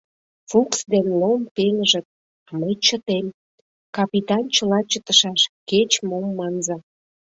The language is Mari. Фукс ден Лом пеҥыжыт, а мый чытем: капитан чыла чытышаш, кеч-мом манза.